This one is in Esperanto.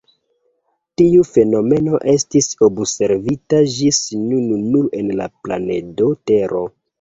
Tiu fenomeno estis observita ĝis nun nur en la planedo Tero.